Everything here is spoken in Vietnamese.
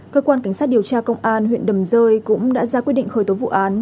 cơ quan cảnh sát điều tra công an huyện đầm rơi cũng đã ra quyết định khởi tố vụ án